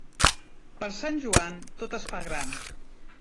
Per Sant Joan, tot es fa gran.